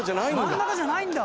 真ん中じゃないんだ。